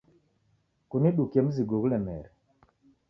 Kunidukie mzigo ghulemere.